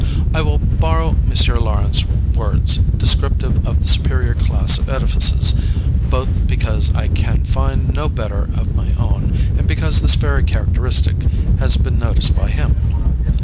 I will borrow M. Laurens's words, descriptive of the superior class of edifices, both because I can find no better of my own, and because this very characteristic has been noticed by him.